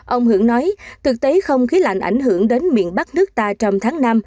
ông hưởng nói thực tế không khí lạnh ảnh hưởng đến miền bắc nước ta trong tháng năm